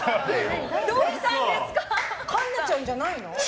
環奈ちゃんじゃないの？